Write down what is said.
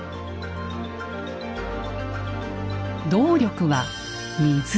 動力は水。